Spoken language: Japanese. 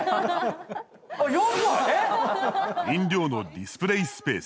飲料のディスプレイスペース。